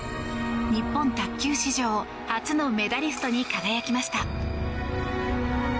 日本卓球史上初のメダリストに輝きました。